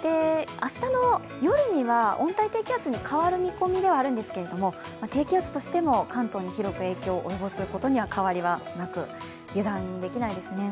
明日の夜には温帯低気圧に変わる見込みではあるんですが、低気圧としても関東に広く影響を及ぼすことは変わりはなく油断できないですね。